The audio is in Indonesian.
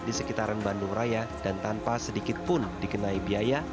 di sekitaran bandung raya dan tanpa sedikit pun dikenai biaya